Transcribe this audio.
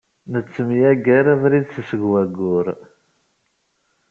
Nettemyager abrid seg waggur